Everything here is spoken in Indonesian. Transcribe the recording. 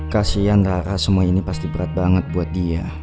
kasian rara semua ini pasti berat banget buat dia